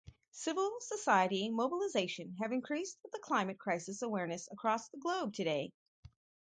Civil society mobilization have increased with the climate crisis awareness across the globe today.